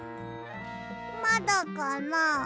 まだかな。